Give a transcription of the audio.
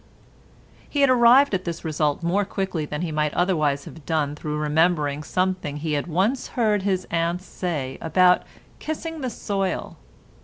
He arrived at this result more quickly than he might otherwise have done through remembering something he had once heard his aunt say about "kissing the soil."